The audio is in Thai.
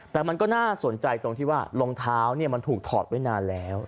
แต่มันก็น่าสนใจตรงที่ว่ารองเท้ามันถูกถอดไว้นานแล้ว